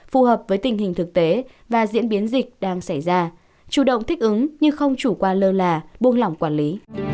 phù hợp với tình hình thực tế và diễn biến dịch đang xảy ra chủ động thích ứng nhưng không chủ quan lơ là buông lỏng quản lý